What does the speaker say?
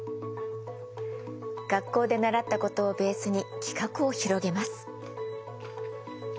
学校で習ったことをベースに企画を広げます。